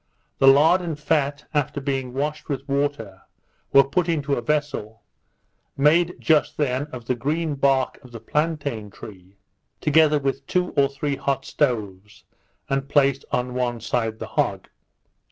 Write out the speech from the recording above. The lard and fat, after being washed with water, were put into a vessel, made just then of the green bark of the plantain tree, together with two or three hot stones, and placed on one side the hog.